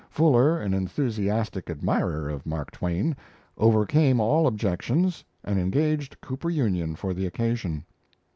Fuller, an enthusiastic admirer of Mark Twain, overcame all objections, and engaged Cooper Union for the occasion.